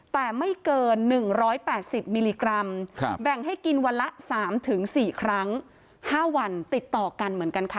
แต่ไม่เกิน๑๘๐มิลลิกรัมแบ่งให้กินวันละ๓๔ครั้ง๕วันติดต่อกันเหมือนกันค่ะ